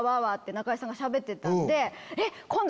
中居さんがしゃべってたんで。